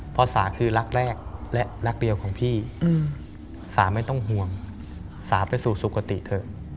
สาคือรักแรกและรักเดียวของพี่สาไม่ต้องห่วงสาไปสู่สุขติเถอะ